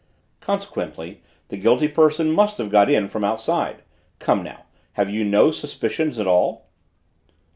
Consequently the guilty person must have got in from outside. Come now, have you no suspicions at all?"